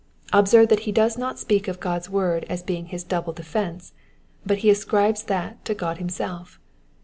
Observe that he does not speak of God's word as being his double defence, but be ascribes that to God himself.